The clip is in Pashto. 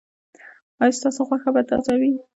ایا ستاسو غوښه به تازه وي؟